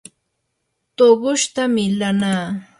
tuqushta millanaa.